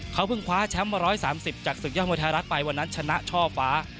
เขาเพิ่งคว้าแชมป์มา๑๓๐จากศึกยอดมวยไทยรัฐไปวันนั้นชนะช่อฟ้า